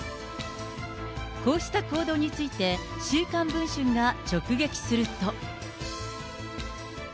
こうした行動について、週刊文春が直撃すると。